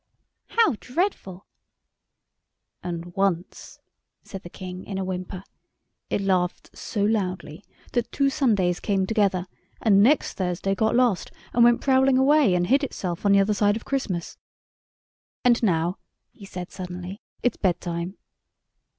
"How dreadful!" "And once," said the King in a whimper, "it laughed so loudly that two Sundays came together and next Thursday got lost, and went prowling away and hid itself on the other side of Christmas." "And now," he said suddenly, "it's bedtime."